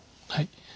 はい。